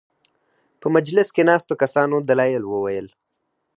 په مجلس کې ناستو کسانو دلایل وویل.